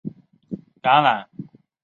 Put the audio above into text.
橄榄单极虫为单极科单极虫属的动物。